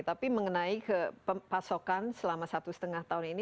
tapi mengenai kepasokan selama satu setengah tahun ini